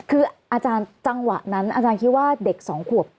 คืออาจารย์จังหวะนั้นอาจารย์คิดว่าเด็ก๒ขวบ